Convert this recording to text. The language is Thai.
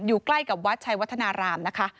ใกล้กับวัดชัยวัฒนารามนะคะ